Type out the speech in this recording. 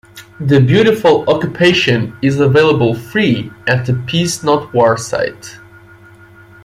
"The Beautiful Occupation" is available free at the Peace Not War site.